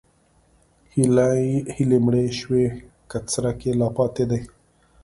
هیلې مړې شوي که څرک یې لا پاتې دی؟